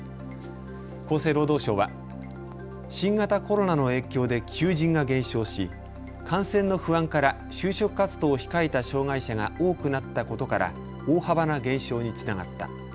厚生労働省は新型コロナの影響で求人が減少し、感染の不安から就職活動を控えた障害者が多くなったことから大幅な減少につながった。